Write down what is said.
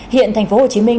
hiện thành phố hồ chí minh